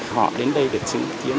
họ đến đây để chứng kiến